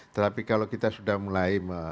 tetapi kalau kita sudah mulai